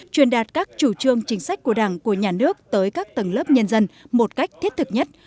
truyền đạt các chủ trương chính sách của đảng của nhà nước tới các tầng lớp nhân dân một cách thiết thực nhất